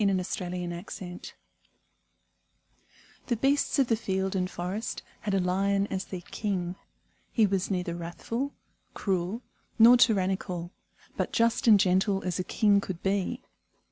The Kingdom of the Lion THE BEASTS of the field and forest had a Lion as their king. He was neither wrathful, cruel, nor tyrannical, but just and gentle as a king could be.